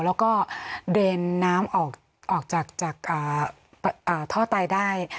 แล้วก็เดรนน้ำออกจากท่อไตได้